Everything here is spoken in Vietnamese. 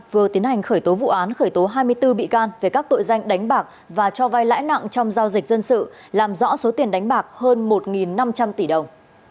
vừa tiến hành khởi tố vụ án khởi tố hai mươi bốn bị can về các tội danh đánh bạc và cho vai lãi nặng trong giao dịch dân sự làm rõ số tiền đánh bạc hơn một năm trăm linh tỷ đồng